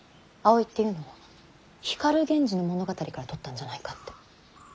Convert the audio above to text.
葵っていうのは光源氏の物語からとったんじゃないかって。